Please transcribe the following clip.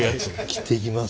切っていきます。